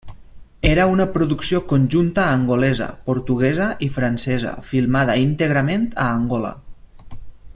Era una producció conjunta angolesa, portuguesa i francesa filmada íntegrament a Angola.